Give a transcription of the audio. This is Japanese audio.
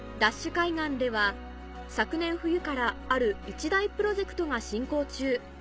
海岸では昨年冬からある一大プロジェクトが進行中